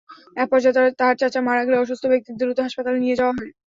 একপর্যায়ে তাঁর চাচা মারা গেলে অসুস্থ ব্যক্তিদের দ্রুত হাসপাতালে নিয়ে যাওয়া হয়।